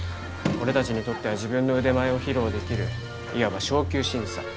俺たちにとっては自分の腕前を披露できるいわば昇級審査。